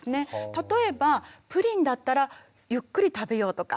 例えばプリンだったらゆっくり食べようとか。